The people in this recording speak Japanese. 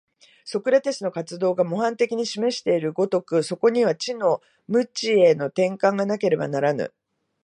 ソクラテスの活動が模範的に示している如く、そこには知の無知への転換がなければならぬ。